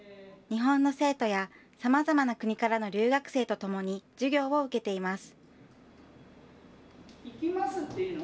日本の生徒やさまざまな国からの留学生とともに、授業を受けています。